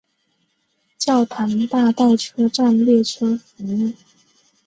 教堂大道车站列车服务。